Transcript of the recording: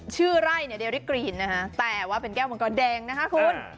ชื่อไร่เนี่ยเดริกรีนนะคะแต่ว่าเป็นแก้วมังกรแดงนะคะคุณ